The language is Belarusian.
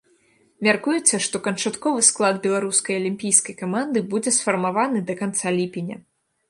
Мяркуецца, што канчатковы склад беларускай алімпійскай каманды будзе сфармаваны да канца ліпеня.